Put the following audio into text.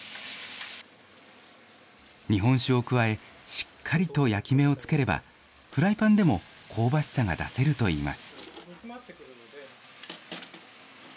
日本酒を加え、しっかりと焼き目をつければ、フライパンでも香ばしさが出せるといいます。